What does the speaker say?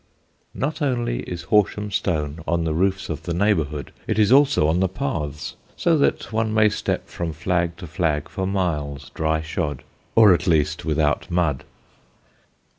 Not only is Horsham stone on the roofs of the neighbourhood: it is also on the paths, so that one may step from flag to flag for miles, dryshod, or at least without mud.